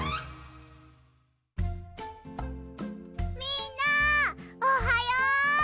みんなおはよう！